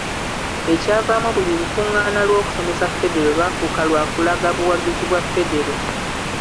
Ekyavaamu buli lukuŋŋaana lw’okusomesa Federo lwafuuka lwa kulaga buwagizi bwa Federo.